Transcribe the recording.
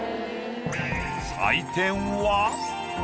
採点は。